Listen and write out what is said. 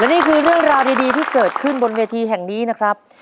นี่คือเรื่องราวดีที่เกิดขึ้นบนเวทีแห่งนี้นะครับ